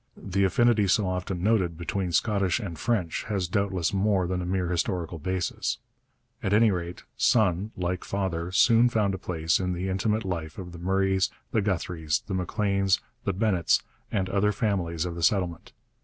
The affinity so often noted between Scottish and French has doubtless more than a mere historical basis. At any rate, son, like father, soon found a place in the intimate life of the Murrays, the Guthries, the Macleans, the Bennetts and other families of the settlement.